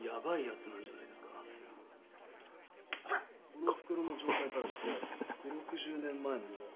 この袋の状態からして５０６０年前のもの。